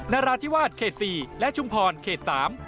นาราธิวาสเขต๔และชุมพรเขต๓